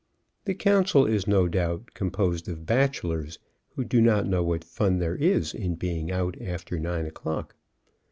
The council is no doubt com posed of bachelors who do not know what fun there is in being out after 9 o'clock.